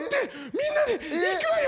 みんなで行くわよ！